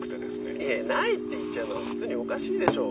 「いえないって言っちゃうのは普通におかしいでしょう。